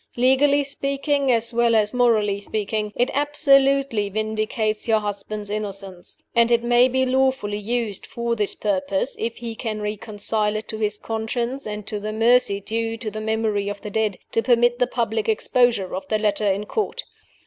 Legally speaking, as well as morally speaking, it absolutely vindicates your husband's innocence. And it may be lawfully used for this purpose if he can reconcile it to his conscience, and to the mercy due to the memory of the dead, to permit the public exposure of the letter in Court.